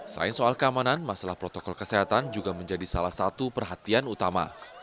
selain soal keamanan masalah protokol kesehatan juga menjadi salah satu perhatian utama